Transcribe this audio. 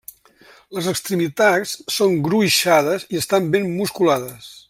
Les extremitats són gruixades i estan ben musculades.